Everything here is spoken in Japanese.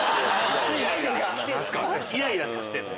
イライラさせてんの？